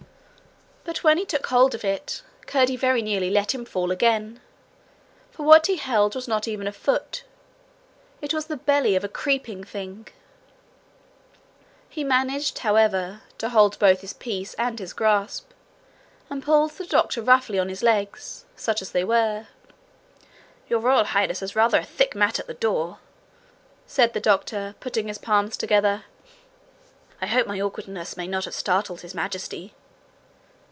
But when he took hold of it, Curdie very nearly let him fall again, for what he held was not even a foot: it was the belly of a creeping thing. He managed, however, to hold both his peace and his grasp, and pulled the doctor roughly on his legs such as they were. 'Your Royal Highness has rather a thick mat at the door,' said the doctor, patting his palms together. 'I hope my awkwardness may not have startled His Majesty.'